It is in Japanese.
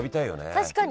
確かに。